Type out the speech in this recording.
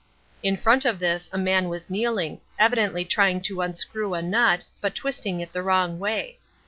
In front of this a man was kneeling, evidently trying to unscrew a nut, but twisting it the wrong way.